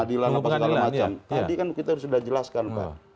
tadi kan kita sudah jelaskan pak